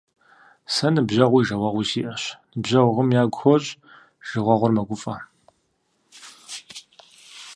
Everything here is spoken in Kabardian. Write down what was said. Сэ ныбжьэгъуи жагъуэгъуи сиӏэщ. Ныбжьэгъум ягу хощӏ, жагъуэгъур мэгуфӏэ.